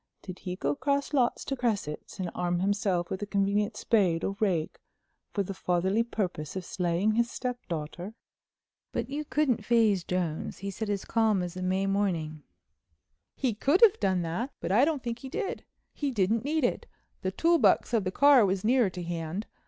Did he go across lots to Cresset's and arm himself with a convenient spade or rake for the fatherly purpose of slaying his stepdaughter?" But you couldn't phase Jones, he said as calm as a May morning: "He could have done that. But I don't think he did. He didn't need it. The tool box of the car was nearer to hand.